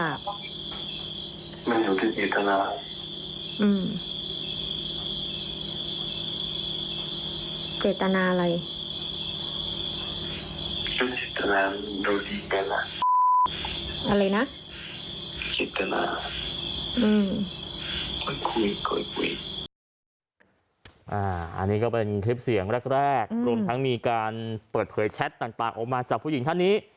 อันนี้ก็เป็นคลิปเสียงแรกรวมทั้งมีการเปิดเผยแชทต่างออกมาจากผู้หญิงท่านนี้